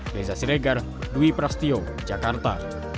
dari zaziregar dwi prastio jakarta